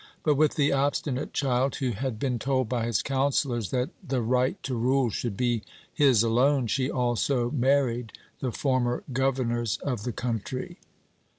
But with the obstinate child who had been told by his counsellors that the right to rule should be his alone, she also married the former governors of the country.